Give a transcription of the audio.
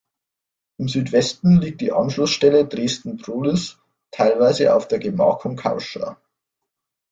Im Südwesten liegt die Anschlussstelle Dresden-Prohlis teilweise auf der Gemarkung Kauscha.